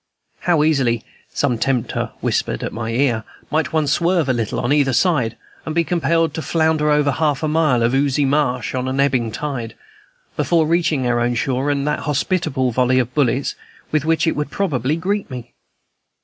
How easily (some tempter whispered at my ear) might one swerve a little, on either side, and be compelled to flounder over half a mile of oozy marsh on an ebbing tide, before reaching our own shore and that hospitable volley of bullets with which it would probably greet me!